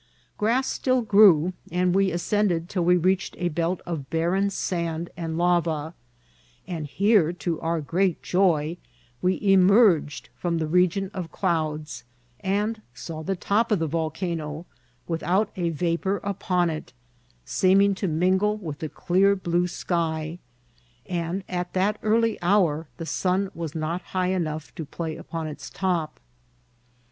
Orass still grew, and we as* cended till we reached a belt of barren sand and lava ; and here, to our great joy, we emerged from the region of clouds, and saw the top of the volcano, without a vapour upon it, seeming to mingle with the clear blue sky; and at that early hour the sun was not high enough to play upon its top.